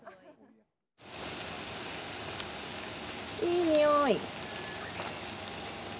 いい匂い。